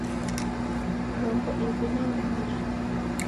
Mrongo iw'i na imweri